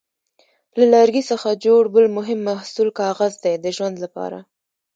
له لرګي څخه جوړ بل مهم محصول کاغذ دی د ژوند لپاره.